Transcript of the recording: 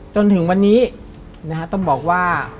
จนถึงวันนี้ต้องบอกว่า